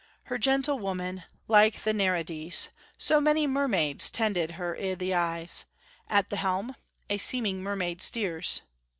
Her gentlewomen, like the Nereides, So many mermaids, tended her i' the eyes. ... At the helm A seeming mermaid steers....